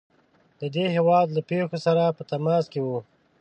د دې هیواد له پیښو سره په تماس کې وو.